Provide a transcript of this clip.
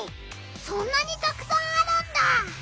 そんなにたくさんあるんだ！